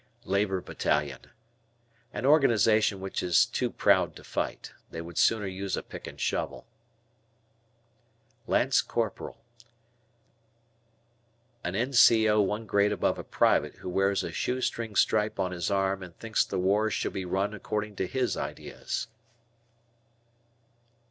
L Labor Battalion. An organization which is "too proud to fight." They would sooner use a pick and shovel. Lance corporal. A N.C.O. one grade above a private who wears a shoestring stripe on his arm and thinks the war should be run according to his ideas.